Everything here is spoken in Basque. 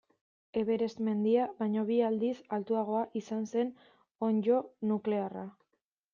Everest mendia baino bi aldiz altuagoa izan zen onddo nuklearra.